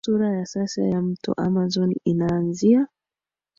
Sura ya sasa ya Mto Amazon inaanzia